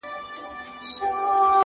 ما او ازل دواړو اورېدل چي توپان څه ویل-